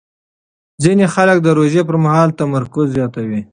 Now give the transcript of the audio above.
ځینې خلک د روژې پر مهال تمرکز زیاتوي.